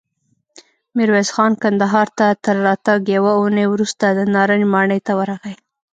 ميرويس خان کندهار ته تر راتګ يوه اوونۍ وروسته د نارنج ماڼۍ ته ورغی.